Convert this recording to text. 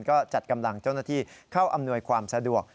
ก็จัดกำลังเจ้าหน้าที่เข้าอำนวยความสะดวก